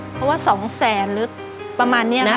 เพราะว่า๒แสนหรือประมาณนี้นะ